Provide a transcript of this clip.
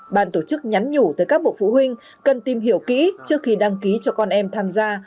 bàn tổ chức nhắn nhủ tới các bộ phụ huynh cần tìm hiểu kỹ trước khi đăng ký cho con em tham gia